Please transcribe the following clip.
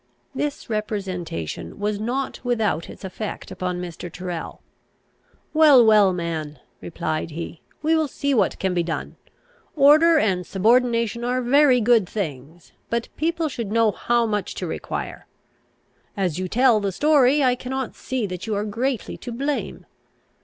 This representation was not without its effect upon Mr. Tyrrel. "Well, well, man," replied he, "we will see what can be done. Order and subordination are very good things; but people should know how much to require. As you tell the story, I cannot see that you are greatly to blame.